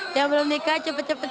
dia belum nikah cepat cepat